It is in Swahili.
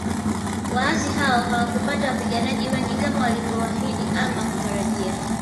Waasi hao hawakupata wapiganaji wengi kama walivyoahidi ama kutarajia